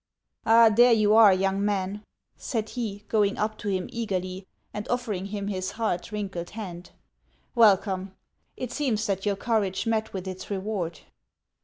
" Ah ! there you are, young man," said he, going up to him eagerly and offering him his hard, wrinkled hand ;" welcome ! It seems that your courage met with its reward."